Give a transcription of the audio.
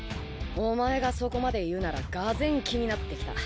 お前がそこまで言うならがぜん気になってきた。